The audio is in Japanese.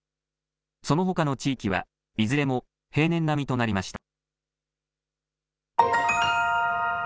そのほかの地域はいずれも平年並みとなりました。